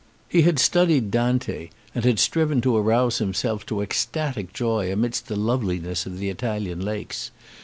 He had studied Dante, and had striven to arouse himself to ecstatic joy amidst the loveliness of the Italian lakes.